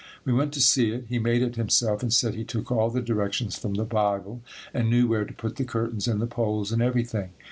We went to see it. He made it himself and said he took all the directions from the Bible and knew where to put the curtains and the poles and everything.